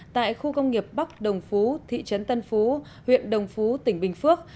tại khu công nghiệp bắc đồng phú thị trấn tân phú huyện đồng phú tỉnh bình phước